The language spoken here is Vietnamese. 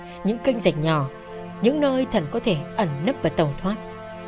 các tổn đất những kênh rạch nhỏ những nơi thần có thể ẩn nấp và tàu thoát